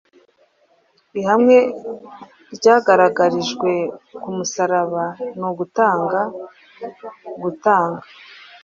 Ihame ryagaragarijwe ku musaraba ni ugutanga, gutanga.